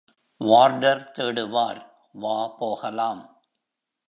Warder தேடுவார், வா போகலாம்.